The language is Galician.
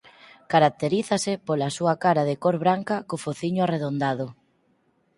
Caracterízase pola súa cara de cor branca co fociño arredondado.